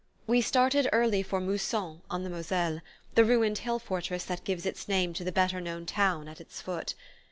We started early for Mousson on the Moselle, the ruined hill fortress that gives its name to the better known town at its foot.